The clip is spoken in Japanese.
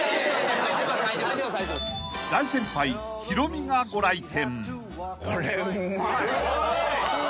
［大先輩ヒロミがご来店］